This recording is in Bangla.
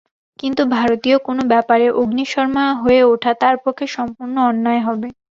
কিন্তু ভারতীয় কোন ব্যাপারে অগ্নিশর্মা হয়ে ওঠা তাঁর পক্ষে সম্পূর্ণ অন্যায় হবে।